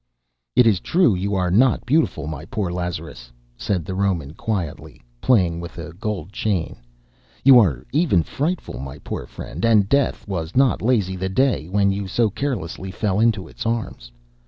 "It is true you are not beautiful, my poor Lazarus," said the Roman quietly, playing with his gold chain. "You are even frightful, my poor friend; and death was not lazy the day when you so carelessly fell into its arms.